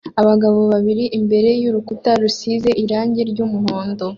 Abagabo babiri imbere yurukuta rusize irangi ry'umuhondo